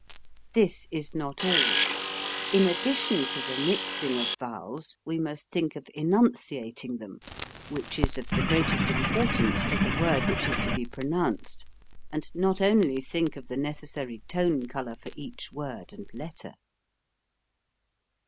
This is not all ; in addition to the mixing of vowels, we must think of enunciating them, which is of the greatest importance to the word which is to be pronounced, and not only think of the necessary tone color for each word and letter.